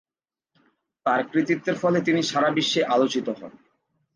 তার কৃতিত্বের ফলে তিনি সারা বিশ্বে আলোচিত হন।